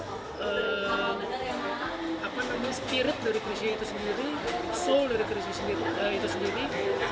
apa namanya spirit dari cruisi itu sendiri soul dari krisis itu sendiri